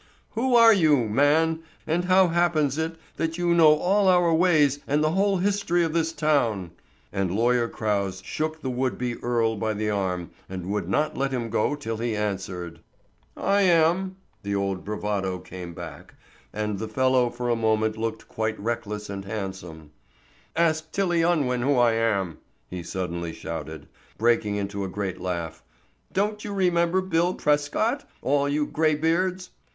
Who are you, man, and how happens it that you know all our ways and the whole history of this town?" And Lawyer Crouse shook the would be Earle by the arm and would not let him go till he answered. "I am—" the old bravado came back, and the fellow for a moment looked quite reckless and handsome. "Ask Tilly Unwin who I am," he suddenly shouted, breaking into a great laugh. "Don't you remember Bill Prescott, all you graybeards?